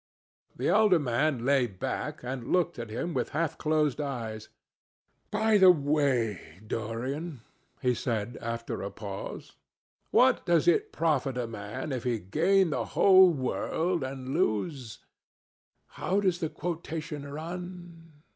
'" The elder man lay back and looked at him with half closed eyes. "By the way, Dorian," he said after a pause, "'what does it profit a man if he gain the whole world and lose—how does the quotation run?